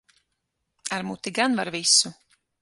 Ar muti gan var visu.